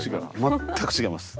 全く違います。